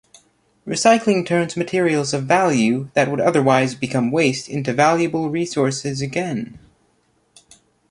Recycling turns materials of value that would otherwise become waste into valuable resources again.